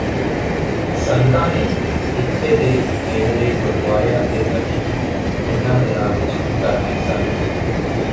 ਸੰਗਤਾਂ ਨੇ ਇਥੇ ਦੇ ਨੇੜਲੇ ਗੁਰਦਵਾਰਿਆਂ ਦੇ ਦਰਸ਼ਨ ਇਨਾ੍ਹਂ ਦਿਨਾਂ ਵਿਚ ਕਰਨੇ ਸਨ